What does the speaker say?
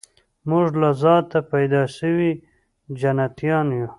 موږ له ذاته پیدا سوي جنتیان یو